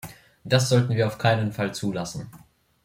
Das sollten wir auf keinen Fall zulassen.